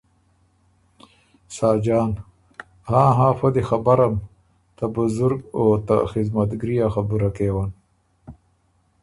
ساجان ـــ”هاں هاں! فۀ دی خبرم۔ ته بزرګ او ته خدمتګري ا خبُره کېون“